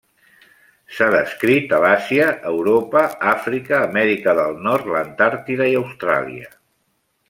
S'ha descrit a l'Àsia, Europa, Àfrica, Amèrica del Nord, l'Antàrtida i Austràlia.